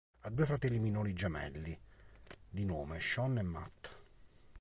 Ha due fratelli minori, gemelli, di nome Sean e Matt.